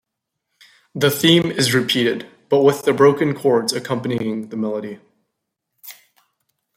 The theme is repeated but with the broken chords accompanying the melody.